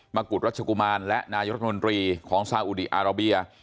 กุฎวัชกุมารและนายรัฐมนตรีของซาอุดีอาราเบีย